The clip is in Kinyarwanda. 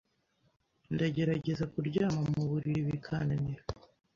Ndagerageza kuryama mu buriri bikananira